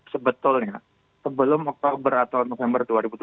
sebetulnya sebelum oktober atau november dua ribu dua puluh